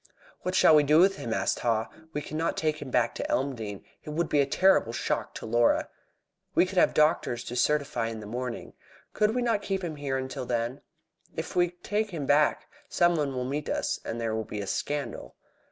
"What shall we do with him?" asked Haw. "We cannot take him back to Elmdene. It would be a terrible shock to Laura." "We could have doctors to certify in the morning. Could we not keep him here until then? If we take him back, some one will meet us, and there will be a scandal."